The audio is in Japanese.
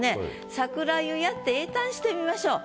「桜湯や」って詠嘆してみましょう。